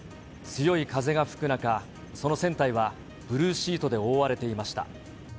強い風が吹く中、その船体は、ブルーシートで覆われていました。